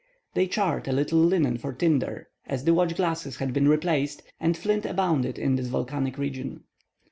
They charred a little linen for tinder, as the watch glasses had been replaced, and flint abounded in this volcanic region.